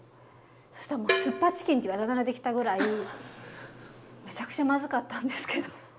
そしたらもう酢っぱチキンっていうあだ名ができたぐらいめちゃくちゃまずかったんですけど。